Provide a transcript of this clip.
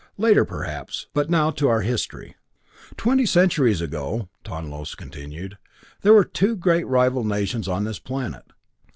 Later, perhaps but now to our history. "Twenty centuries ago," Tonlos continued, "there were two great rival nations on this planet.